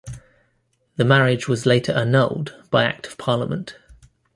The marriage was later annulled by Act of Parliament.